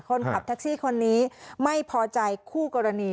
คนขับแท็กซี่คนนี้ไม่พอใจคู่กรณี